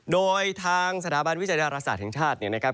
โดยทางสถาบันวิจัยดาราศาสตร์แห่งชาติเนี่ยนะครับ